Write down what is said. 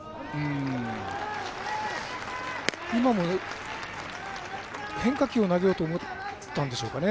今も変化球を投げようと思ったんでしょうかね。